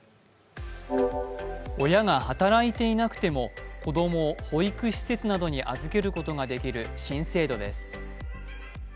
親が働いていなくても子供を保育施設などに預けることができる新制度です。